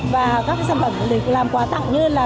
và các sản phẩm làm quà tặng như là